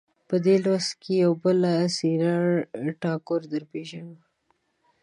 په دې لوست کې یوه بله څېره ټاګور درپېژنو.